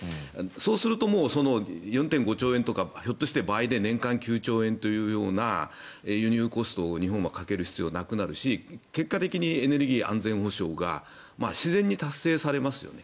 そうすると、４．５兆円とかひょっとしたら倍で年間９兆円という輸入コストを日本はかける必要がなくなるし結果的にエネルギー安全保障が自然に達成されますよね。